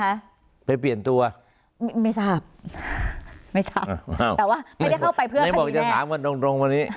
เข้าไปเพื่อคดีนะคะไปเปลี่ยนตัวไม่ทราบไม่ทราบแต่ว่าไม่ได้เข้าไปเพื่อคดีแน่